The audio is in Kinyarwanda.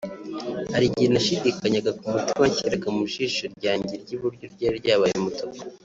Hari igihe nashidikanyaga ku muti banshyiraga mu jisho ryanjye ry’iburyo ryari ryarabaye umutuku